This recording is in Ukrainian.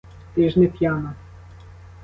Ти ж не п'яна!